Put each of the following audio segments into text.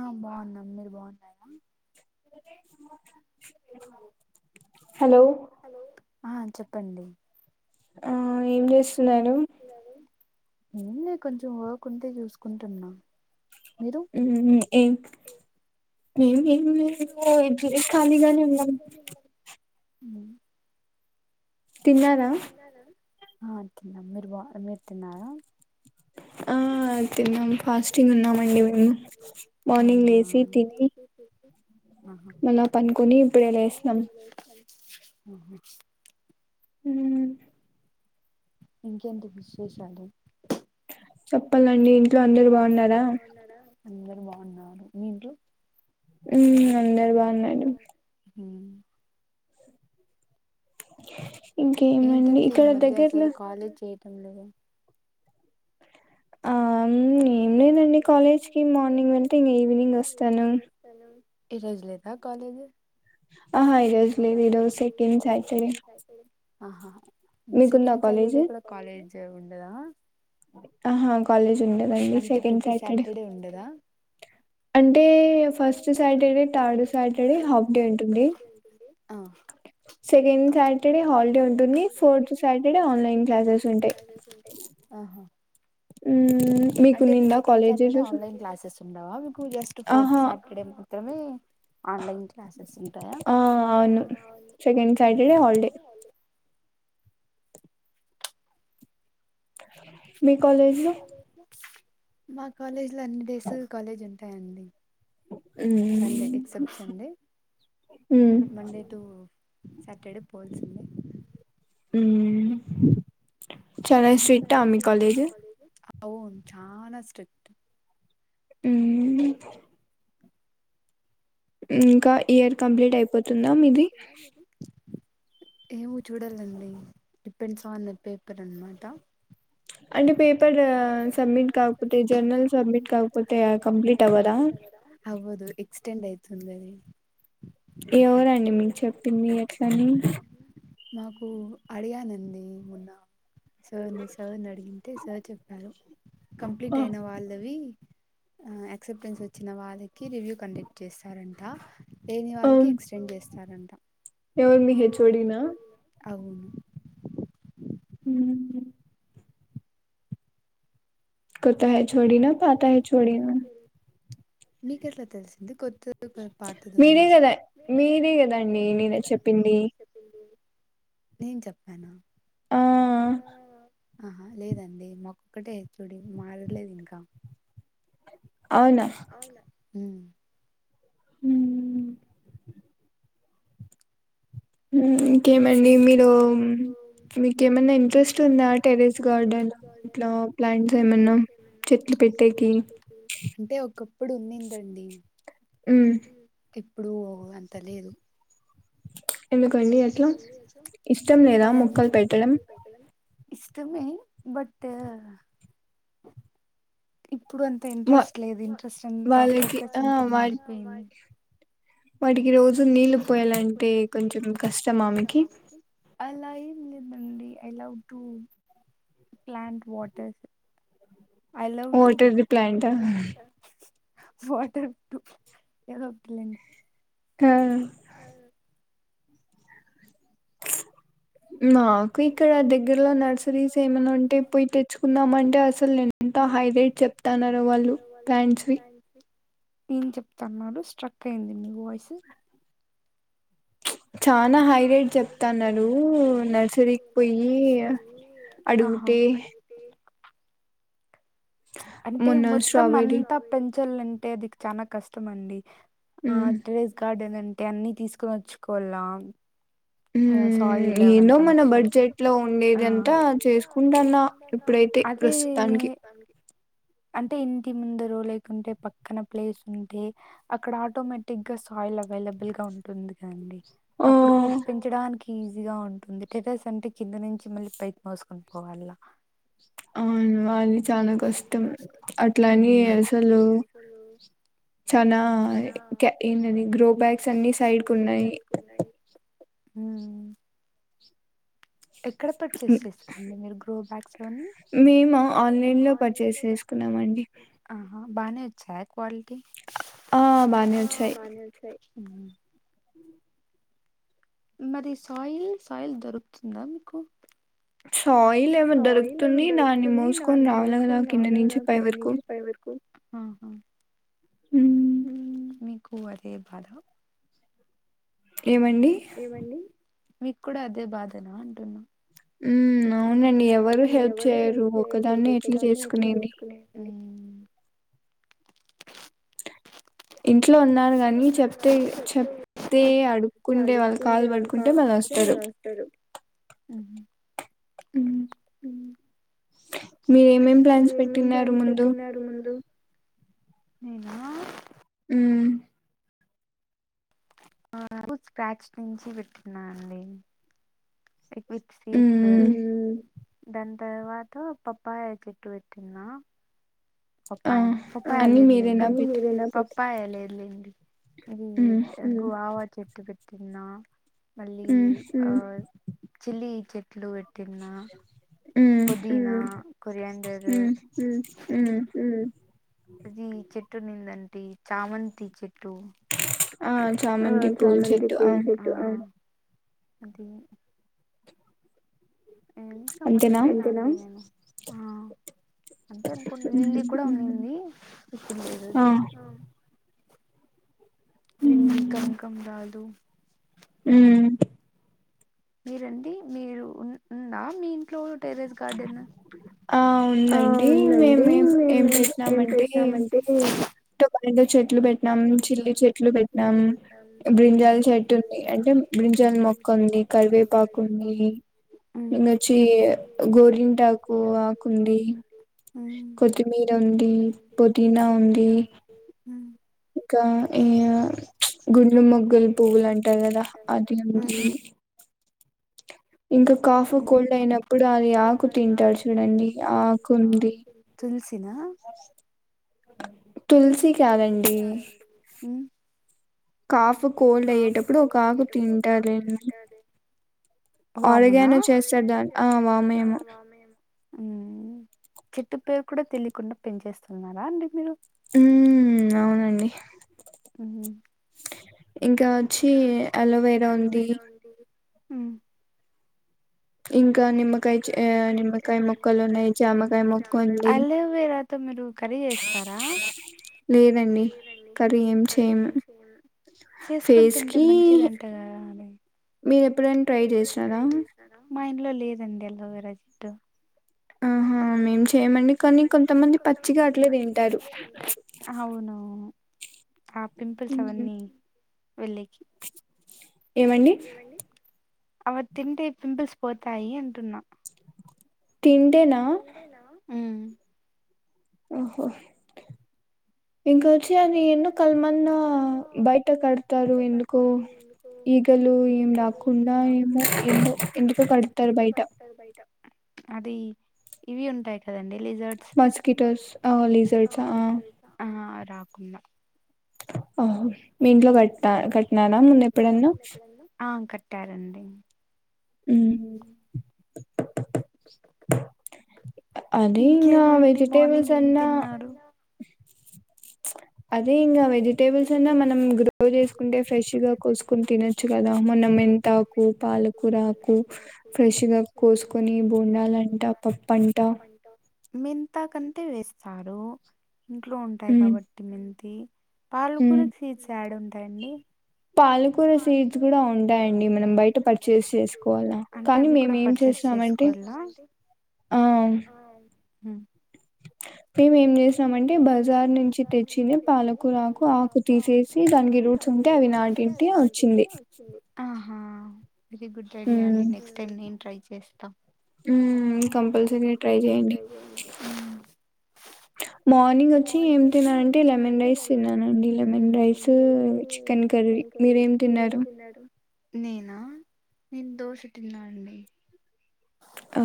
ఆ బాగున్నాం మీరు బాగున్నారా హలో ఆ చెప్పండి ఆ ఏం చేస్తున్నారు ఏంలే కొంచెం వర్క్ ఉంటే చూసుకుంటున్నా ఉమ్మ్ హు ఏం ఏం ఏం లేదు ఇట్లనే ఖాళీగానే ఉన్నాం ఉమ్మ్ తిన్నారా ఆ తిన్నాం మీరు బా మీరు తిన్నారా ఆ తిన్నాం ఫాస్టింగ్ ఉన్నామండి మేము మార్నింగ్ లేసి తిని ఆహా ఆహా ఉమ్మ్ ఇంకేంటి విశేషాలు చెప్పాలండి ఇంట్లో అందరు బాగున్నారా అందరూ బాగు న్నారు మీ ఇంట్లో ఉమ్మ్ అందరు బాగున్నాడు ఉమ్మ్ ఏంటంటే ఈ మధ్య అసలు కాలే చేయటం లేదు ఆ ఏం లేదండి కాలేజ్ కి మార్నింగ్ వెళ్తే ఈవినింగ్ వస్తాను ఈరోజు లేదా కాలేజ్ ఆహా ఈరోజు లేదు ఈరోజు సెకెండ్ సాటర్డే ఆహా సెకెండ్ సాటర్డే కూడా కాలేజ్ ఉండదా ఆహా కాలేజ్ ఉండదండి సెకెండ్ సాటర్డే అం అంటే first Saturday third Saturday half day ఉంటుంది సెకండ్ సాటర్డే హాలిడే ఉంటుంది ఫోర్త్ సాటర్డే ఆన్లైన్ క్లాసెస్ ఉంటాయి ఉ అంటే ఇప్పుడు సెకండ్ సాటర్డే ఆన్లైన్ క్లాసెస్ ఉండవా మీకు జస్ట్ ఫోర్త్ సాటర్డే మాత్రమే ఆన్లైన్ క్లాసెస్ ఉంటాయా సెకండ్ సాటర్డే హాలిడే మా కాలేజ్ లో అన్ని డేసు కాలేజ్ ఉంటాయండి Sunday except Sunday Monday to Saturday పోల్సిందే ఉ చాలా స్ట్రీట మీ కాలేజ్ అవును చాల స్ట్రిక్ట్ ఇంకా ఇయర్ కంప్లీట్ అయిపోతుందా మీది ఏమో చూడాలండి డిపెండ్స్ ఆన్ ద పేపర్ అనమాట అంటే పేపర్ సబ్మిట్ కాకపోతే జర్నల్ సబ్మిట్ కాకపోతే కంప్లీట్ అవ్వదా అవుదు ఎక్స్టెండ్ అయితుంది ఎవరండి మీకు చెప్పింది ఎట్లని నాకు అడియానండి నేను సార్ ని సార్ ని అడిగింటే సార్ చెప్పారు కంప్లీట్ అయిన వాళ్ళవి ఆక్సెప్టెన్స్ వచ్చిన వాళ్ళకి రివ్యూ కండక్ట్ చేస్తారంట లేని వాళ్ళకి ఎక్స్టెండ్ చేస్తారంట ఎవరు మీ హెచ్చోడినా అవును కొత్త హెచ్వోడి నా పాత హెచ్వోడి నా మీకెట్లా తెలిసింది కొ మీరే కదా మీరే కదా అండి నేనే చెప్పింది నేను చెప్పాన ఆహా లేదండి మాక్కొక్కటే హెచ్వోడి మారలేదు ఇంకా అవునా అ ఉ ఇంకేమండి మీరు మీకెమైన్నా ఇంట్రెస్ట్ ఉందా టెరెస్ గార్డెన్ లో ఇంట్లా ప్లాంట్స్ ఏమైన చెట్ పెట్టేకి ఇప్పుడు ఉన్నిందండి ఇప్పుడు అంత లేదు ఎందుకండి ఎట్లా ఇష్టం లేదా మొక్కలు పెట్టడం ఇష్టమే బట్ ఇప్పుడు అంత ఇంట్రెస్ట్ లేదు ఇంటరెస్టంత ఫోకసంత మారిపోయింది వాటికి రోజు నీళ్ళు పోయాలంటే కొంచెం కష్టమా ఆమెకి లేదు లేదండి I love to plant waters వోటర్ది ప్లాంటా వాటర్ దు ఏదోకటి లేండి ఆ అ హా నాకు ఇక్కడ దగ్గరలో నర్సరీస్ ఏమైనా ఉంటే పోయి తెచ్చుకుందామంటే అసలు నేను ఎంత హైలైట్ చెప్తన్నారు వాళ్ళు ప్లాంట్స్ ఏం చెప్తన్నాడు స్ట్రక్ అయింది మీ వాయిస్ చానా హైలైట్ చెప్తన్నారు నర్సరీకి పోయి అడుగుతే డి అంటే మొత్తం అంతా పెద్ చాలంటే అది చాలా కష్టం అండి ఆ టెర్రస్ గార్డెన్ అం అంటె అన్ని తీసుకుని వచ్చుకోల ఉమ్ ఏదో మన బడ్జెట్ లో ఉండేదింతా చేసుకుంటాన్నా ఇప్పుడై తే ప్రస్తుతానికి అంటే ఇంటి ముందరో లేకుంటే పక్కన ప్లేస్ ఉంటే అక్కడ ఆటోమేటిక్ గా సా అవైలబుల్ గా ఉంటుంది కదండీ అప్పుడు చడానికి ఈజీగా ఉంటుంది, టెరస్ అంటే కింద నుంచి మళ్ళీ పైకి మోసుకుని పోవాల అవును అది చాలా కష్టం అట్లాని అసలు చనా ఏంటది గ్రో బ్యాగస్ అన్ని సైడ్కు ఉన్నాయి ఉమ్ ఎక్కడ పర్చేస్ చేస్తారు అండి మీరు గ్రో బ్యాగ్స్ మేమ ఆన్లైన్లో పర్చేస్ చేసుకున్నామండి చ క్వాలిటీ ఆ బానే వచ్చాయి ఇ మరి సాయిల్ సాయిల్ దొరుకుతుందా మీకు సాయిల్ ఏమో దొరుకుతుంది దాన్ని మోసుకొని రావాల కదా కింద నుంచి పై వరకు ఆహా మీకు అదే బాధ ఏమండి మీక్కూడా అదే బాధన అంటున్నా ఉమ్ అవునండి ఎవరు హెల్ప్ చేయ్యరు ఒకదాన్ని ఎట్లా చేసుకునేది ఇంట్లో ఉన్నారూ కాని చెప్తే చెప్ తే అడుక్కుంటే వాళ్ళ కాలు పడుకుంటే మన వస్తారు ఉహు ఉ మీరు ఏమేం ప్లాన్స్ పెట్టిన్నారు ముందు నేనా ఉ [inaudible] స్క్రాచ్ నుంచి పెట్టిన్నానండి విత్ సీడ్స్ ఉమ్ దాని తర్వాత పప్పాయ చెట్టు పెట్టిన పప్పయన పప్పాయ లేదు లెండి పప్పాయ లేదు లెండి ఇది గువా చెట్టు పెట్టున్న మళ్ళీ ఆ చిల్లీ చెట్లు పెట్టున్నా పుదీనా, కొరియండర్ ఇది చెట్టు నిందంటే చామంతి చెట్ టు చామంతి పూలచెట్టు ఆ అంతే [inaudible] ఇంకా మర్చిపోయిన నేను ఆ అంతే అనుకుంటు లిల్లి కూడా ఉండింది ఆ లిల్లి, కనకాంబరాలు ఉమ్మ్ మీరండి మీరు ఉ ఉందా మీ ఇంట్లో టెర్రస్ గార్డెన్ ఆ ఉందండి మేమేం ఏం పెట్నామంటే టొబా రెండు చెట్లు పెట్టినాం, చిల్లి చెట్లు పెట్టినాం, బ్రింజాల్ చెట్టు అంటే బ్రింజా జల్ మొక్కలు ఉంది, కరివేపాకు ఉంది, ఇంకొచ్చి గోరింటాకు [inaudible] గాకు ఉంది, కొత్తిమీర ఉంది, పుదీనా ఉంది ఇంకా ఈయ గుర్రంమొగ్గులపువ్వులు అంటారు కదా అది ఉంది ఇంకా కాఫ్, కోల్డ్ అయినప్పుడు అది ఆకు తింటారు చూడండి ఆ ఆకు ఉంది. సిన [unintelligible] మ్ కోల్డ్ అయ్యేటప్పుడు ఒక ఆకు తింటారు లెండి అలెగానా చేస్తారు దాన్ని ఆ వమేమో ఉ చెట్టు పేరు కూడా తెలియకుండా పెంచేస్తున్నారా అండి మీరు ఉమ్ అవునండి ఇంకా చ్చి అలోవెరా ఉంది [unintelligible] అలోవెరాతో మీరు కర్రీ చేస్తారా లేదండి కర్రీ ఏం చేయం చేసుకొని తింటే మంచిది అంటా కాదా మీరు ఎప్పుడయినా ట్రై చేసారా మా ఇంట్లో లేదండి అలోవెరా చెట్టు ఉహు ఆహా మేం చేయమండి కానీ కొంతమంది పచ్చిగా అట్లే తింటారు అవునవును ఆ పింపుల్స్ అవన్నీ వెళ్లేకి ఏమండి అలా తింటే పింపుల్స్ పోతాయి అంటున్నా తింటేనా [unintelligible] ఓహో ఇంకొచ్చి అది ఎందుకు కలబందా బయట కడతారు ఎందుకు ఈ గలు ఏం రాకుండా ఏమో ఎందో ఎందుకో కడతారు బయట అది ఇవి ఉంటాయి కాదండి మస్కిటోస్ ఆ లిజడ్స్ ఆ రాకుండా ఓహో మీ ఇంట్లో కట్ట కట్నారా ముందు ఎప్పుడన్నా ట్టారండి ఉహు అది ఇంగా వెజిటేబుల్స్ అన్న అదే ఇంకా వెజిటేబుల్స్ అన్నా మనం గ్రో చేసుకుంటే ఫ్రెష్ గా కోసుకొని తినొచ్చు కదా మనం ఎ మెంతాకు పాలకురాకు ఫ్రెష్ గా కోసుకొని బోండాలంట పప్పు అంట పాపంటా మెంతాకు అంత ఉంటే వేస్తారు ఇంట్లో ఉంటాయి కాబట్టి మెంతి పాలకూర సీడ్స్ ఏడ ఉంటాయండి పాలకూర సీడ్స్ కూడా ఉంటాయండి మనం బయట పర్చెస్ చేసుకోవాలాకానీ మేమ ఏం చేసామ్ తీసుకోవాలా [unintelligible] [unintelligible] మేము ఏం చేసినామంటే బజార్ నుంచి తెచ్చిన పాలకూరకు ఆకు తీసేసి దానికి రూట్స్ ఉంటే అవి నాటింటి వచ్చింది ఆ వెరీ గుడ్ ఐడియా అండి నెక్స్ట్ టైం నేను ట్రై చేస్తా హమ్ కంపల్సరీగా ట్రై చేయండి హుమ్ మార్నింగ్ వచ్చి ఏం తిన్న అంటే లెమన్ రైస్ తిన్నానండి లెమన్ రైసు చికెన్ కర్రీ ఇంకా మీరేం తిన్నాడు నేనా నేను దోశ తిన్నా అండి ఆ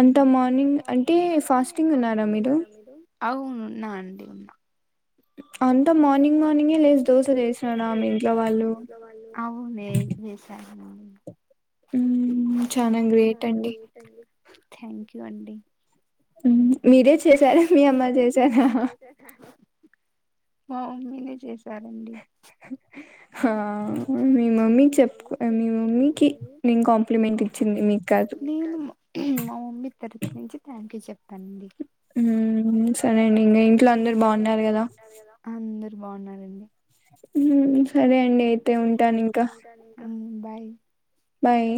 అంతా మార్నింగ్ అంటే ఫాస్టింగ్ ఉన్నారా మీరు అవును ఉన్న అండి ఉన్నా [unintelligible] అంతా మార్నింగ్ మార్నింగే లేదు దోశ చేసిననామె ఇంట్లో వాళ్ళు చనా గ్రేట్ అండి థ్యాంక్ యూ అండి మీరే చేసారా మీ అమ్మ చేసారా ఆ మీనే చేసారంండి మీ మమ్మీ చెప్పు మీ మమ్మీకి నేను కాంప్లిమెంట్ ఇచ్చింది మీకు కాదు నేను మా మమ్మీ తరపు నుంచి థ్యాంక్ యూ చెప్ాను తండి సరే అండి ఇంట్లో అందరు బాగుంటారు కదా అందరు బాగున్నారండి సరే అండి అయితే ఉంటాను ఇంకా బైక్ బాయ్